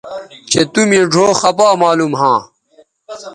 چہء تُو مے ڙھؤ خپا معلوم ھواں